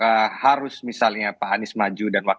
kalau memang harus misalnya pak anies maju dan wakilnya pks